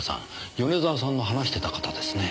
米沢さんの話してた方ですねぇ。